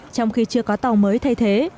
trong khi chưa có tàu mới thay thế